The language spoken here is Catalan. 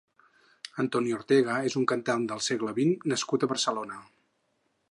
Antoni Ortega és un cantant del segle vint nascut a Barcelona.